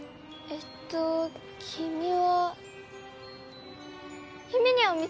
えっと君は。